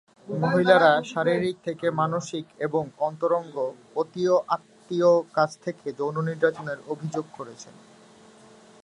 মহিলারা শারীরিক থেকে মানসিক এবং অন্তরঙ্গ অতিয় আত্মীয়দের কাছ থেকে যৌন নির্যাতনের অভিযোগ করেছেন।